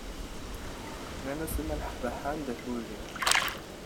Nnan-as i Malḥa Baḥa anda-t weydi.